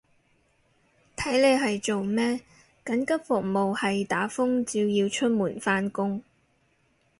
睇你係做咩，緊急服務係打風照要出門返工